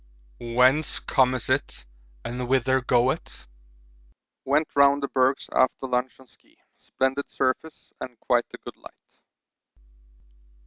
Whence comes it and whither goeth? Went round the bergs after lunch on ski splendid surface and quite a good light.